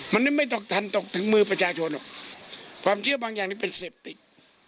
มันไม่ต้องทันตกถึงมือประชาชนหรอกความเชื่อบางอย่างนี่เป็นเสพติด